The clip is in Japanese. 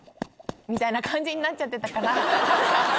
みたいな感じになっちゃってたから。